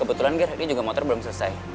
kebetulan ger ini juga motor belum selesai